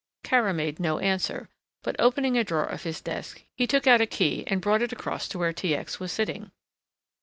Kara made no answer, but opening a drawer of his desk he took out a key and brought it across to where T. X. was sitting.